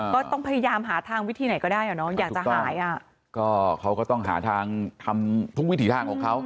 ก็ต้องพยายามหาทางวิธีไหนก็ได้อ่ะเนอะอยากจะหายอ่ะก็เขาก็ต้องหาทางทำทุกวิถีทางของเขา